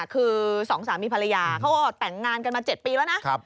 คือสองสามีภรรยาเขาก็แต่งงานกันมา๗ปีแล้วนะ